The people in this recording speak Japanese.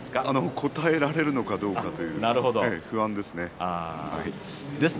答えられるのかどうか不安ですね。